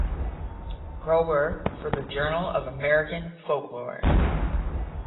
Kroeber for the "Journal of American Folklore".